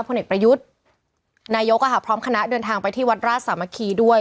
เอกประยุทธ์นายกพร้อมคณะเดินทางไปที่วัดราชสามัคคีด้วย